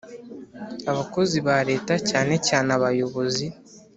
abakozi ba Leta cyane cyane abayobozi.